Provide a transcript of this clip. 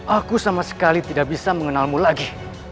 aku sama sekali tidak bisa mengenalmu lagi